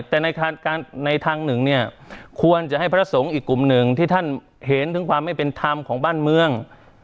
แต่ในทางหนึ่งเนี่ยควรจะให้พระสงฆ์อีกกลุ่มหนึ่งที่ท่านเห็นถึงความไม่เป็นธรรมของบ้านเมือง